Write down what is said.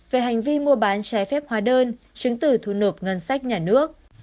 về hành vi mua bán trái phép hóa đơn chứng từ thu nộp ngân sách nhà nước